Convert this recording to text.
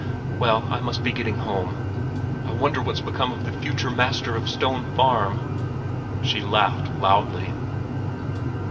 Well, I must be getting home. I wonder what's become of the future master of Stone Farm?" She laughed loudly.